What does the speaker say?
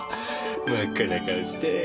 真っ赤な顔して。